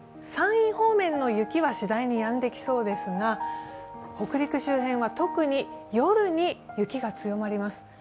山陰方面の雪はしだいにやんでいきそうですが、北陸周辺は特に夜に雪が強まります。